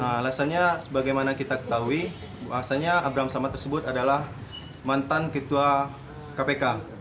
alasannya bagaimana kita ketahui asalnya abraham samad tersebut adalah mantan ketua kpk